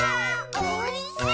おいしい？